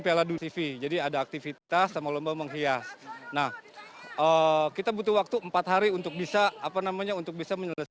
piala dunia yang digelar transmedia